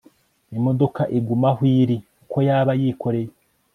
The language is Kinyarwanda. imodoka iguma aho iri uko yaba yikoreye